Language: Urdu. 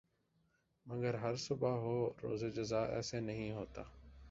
مگر ہر صبح ہو روز جزا ایسے نہیں ہوتا